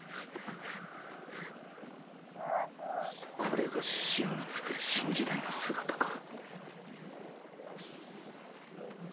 これが志々雄のつくる新時代の姿か。